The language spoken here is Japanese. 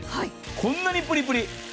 こんなにプリプリ！